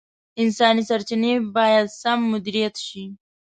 انساني سرچیني باید سم مدیریت شي.